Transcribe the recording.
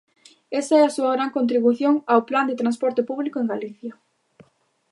Esa é a súa gran contribución ao Plan de transporte público en Galicia.